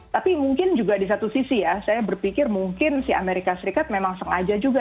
tapi mungkin juga di satu sisi ya saya berpikir mungkin si amerika serikat memang sengaja juga